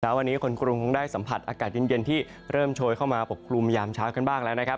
วันนี้คนกรุงคงได้สัมผัสอากาศเย็นที่เริ่มโชยเข้ามาปกคลุมยามเช้ากันบ้างแล้วนะครับ